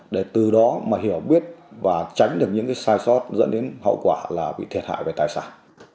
để từ đó mà hiểu biết và tránh được những cái sai sót dẫn đến hậu quả là bị thiệt hại về tài sản